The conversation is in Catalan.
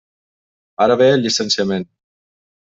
Ara ve el llicenciament.